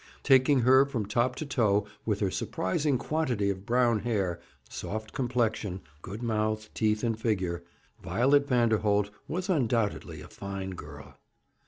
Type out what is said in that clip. Taking her from top to toe, with her surprising quantity of brown hair, soft complexion, good mouth, teeth, and figure, Violet Vanderholt was undoubtedly a fine girl.